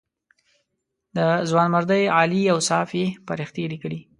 د ځوانمردۍ عالي اوصاف یې فرښتې لیکلې.